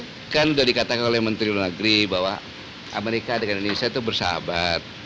jadi kan sudah dikatakan oleh menteri luar negeri bahwa amerika dengan indonesia itu bersahabat